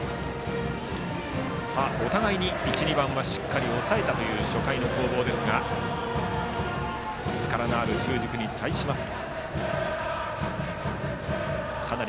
お互いに１、２番はしっかり抑えた初回の攻防ですが力のある中軸に対していきます。